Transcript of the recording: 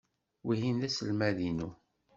Wihin d aselmad-inu.